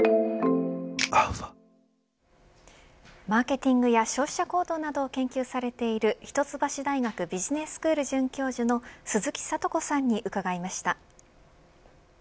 マーケティングや消費者行動などを研究されている一橋大学ビジネススクール准教授の鈴木智子さんに伺いました。